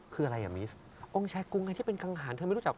คืออะไรอ่ะมิสองค์แชร์กรุงใครที่เป็นกังหารเธอไม่รู้จัก